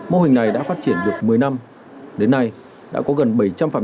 mô hình này đã phát triển được một mươi năm